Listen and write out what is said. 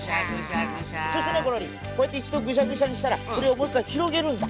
そしてねゴロリこうやっていちどぐしゃぐしゃにしたらこれをもういっかいひろげるんだ。